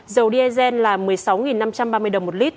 dầu diesel là một mươi sáu năm trăm ba mươi đồng một lít